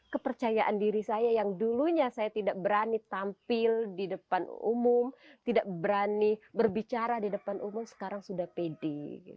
kepercayaan diri saya yang dulunya saya tidak berani tampil di depan umum tidak berani berbicara di depan umum sekarang sudah pede